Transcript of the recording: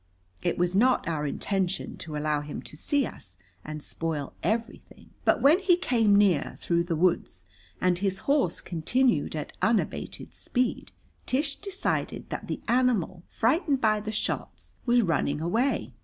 It was not our intention to allow him to see us and spoil everything. But when he came near, through the woods, and his horse continued at unabated speed, Tish decided that the animal, frightened by the shots, was running away.